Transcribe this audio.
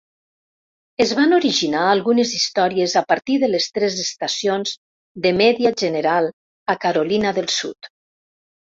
Es van originar algunes històries a partir de les tres estacions de Media General a Carolina del Sud.